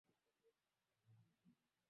Pia tukumbuke Wabantu ni familia moja